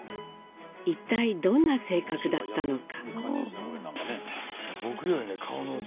一体どんな性格だったのか？